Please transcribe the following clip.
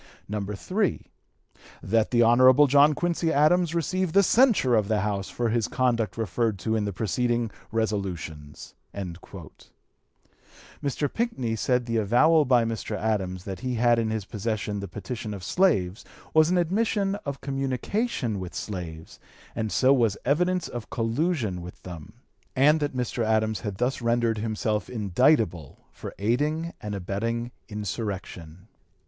"3. That the Hon. John Quincy Adams receive the censure of the House for his conduct referred to in the preceding resolutions." Mr. Pinckney said that the avowal by Mr. Adams that he had in his possession the petition of slaves was an admission of communication with slaves, and so was evidence of collusion with them; and that Mr. Adams had thus rendered himself indictable for aiding and abetting (p. 275) insurrection.